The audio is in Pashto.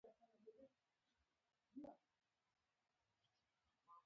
فلاجیل د قمچینې په څېر یو جوړښت دی.